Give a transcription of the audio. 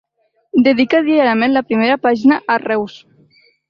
Dedica diàriament la primera pàgina a Reus.